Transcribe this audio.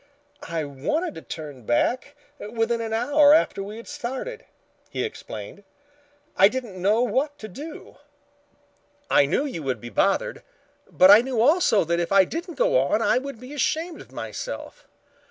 "I wanted to turn back within an hour after we had started," he explained. "I didn't know what to do. I knew you would be bothered, but I knew also that if I didn't go on I would be ashamed of myself.